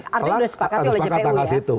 artinya sudah sepakat oleh jpu ya